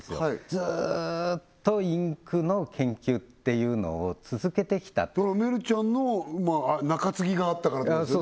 ずーっとインクの研究っていうのを続けてきたメルちゃんのまあ中継ぎがあったからってことですよね